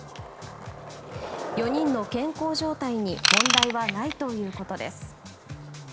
４人の健康状態に問題はないということです。